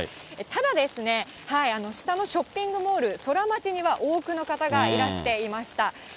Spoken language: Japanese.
ただ、下のショッピングモール、ソラマチには、多くの方がいらしていました。